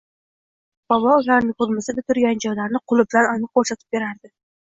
bobo ularni koʻrmasa-da, turgan joylarini qoʻli bilan aniq koʻrsatib berardi.